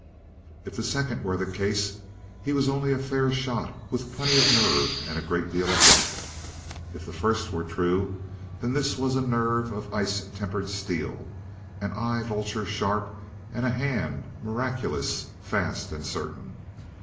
If the second were the case, he was only a fair shot with plenty of nerve and a great deal of luck. If the first were true, then this was a nerve of ice tempered steel, an eye vulture sharp, and a hand, miraculous, fast, and certain.